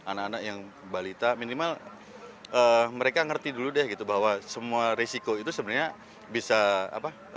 anak anak yang balita minimal mereka ngerti dulu deh gitu bahwa semua risiko itu sebenarnya bisa apa